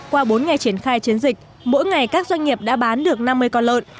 qua bốn ngày triển khai chiến dịch mỗi ngày các doanh nghiệp đã bán được năm mươi con lợn